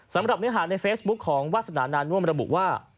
สำหรับเนื้อหาในเฟซบุ๊คของวาสนานาน่วมระบุว่า